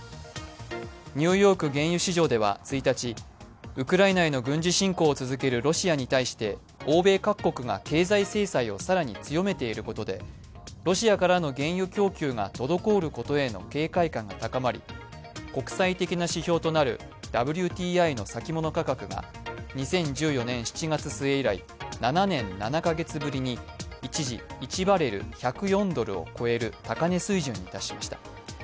ニューヨーク原油市場では１日ウクライナへの軍事侵攻を続けるロシアに対して欧米各国が経済制裁を更に強めていることでロシアからの原油供給が滞ることへの警戒感が高まり国際的な指標となるＷＴＩの先物価格が２０１４年７月末以来７年７カ月ぶりに一時１バレル＝１０４ドルを超える高値水準に達しました。